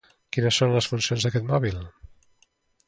Quines són les funcions d'aquest mòbil?